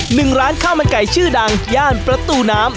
หนึ่งร้านข้าวมันไก่ชื่อดังย่านประตูน้ำ